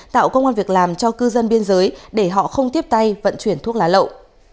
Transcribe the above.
tạo công an việc làm cho cư dân biên giới để họ không tiếp tay vận chuyển thuốc lá lậu